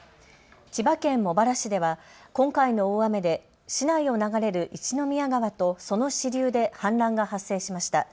千葉県茂原市では今回の大雨で市内を流れる一宮川とその支流で氾濫が発生しました。